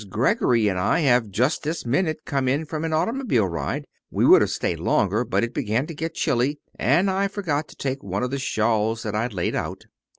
Greggory and I have just this minute come in from an automobile ride. We would have stayed longer, but it began to get chilly, and I forgot to take one of the shawls that I'd laid out."